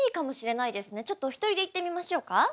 ちょっとお一人で言ってみましょうか？